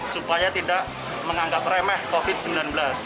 supaya tidak menganggap remeh covid sembilan belas